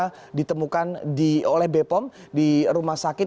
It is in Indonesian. ini juga ditemukan oleh bepom di rumah sakit